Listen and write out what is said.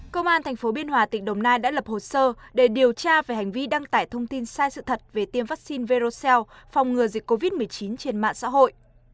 công an tp biên hòa tỉnh đồng nai đã lập hồ sơ để điều tra về hành vi đăng tải thông tin sai sự thật về tiêm vaccine veroxelles phòng ngừa dịch covid một mươi chín trên mạng xã hội